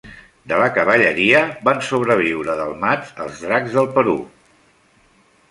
De la cavalleria van sobreviure delmats els dracs del Perú.